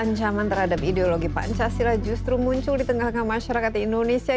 ancaman terhadap ideologi pancasila justru muncul di tengah tengah masyarakat indonesia